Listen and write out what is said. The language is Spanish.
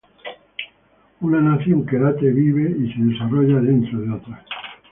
Una nación que late, vive y se desarrolla dentro de otra.